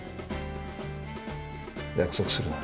約束するな？